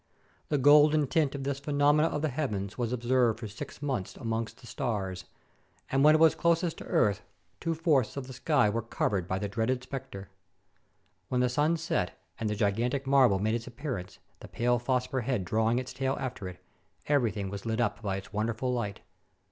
The golden tint of this phenomenon of the heavens was ob served for six months amongst the stars, and when it was closest to earth two fourths of the sky were covered by the dreaded specter. When the sun set and the gi gantic marvel made its appearance, the pale phosphor head drawing its tail after it, everything was lit up by its wonderful light.